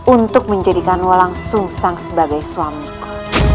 untuk menjadikan walang sungsa sebagai suamiku